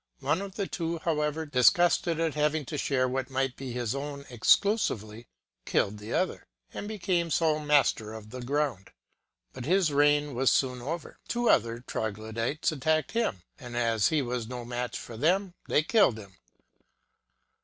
One of the two, however, disgusted at having to share what might be his own exclusively, killed the other, and became sole master of the ground. But his reign was soon over : two other Troglodites attacked him, and as he was no match for them, they killed him.